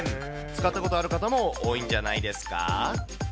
使ったことある方も多いんじゃないですか。